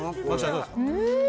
どうですか？